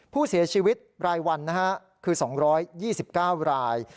ผู้เสียชีวิตรายวันคือ๒๒๙ราย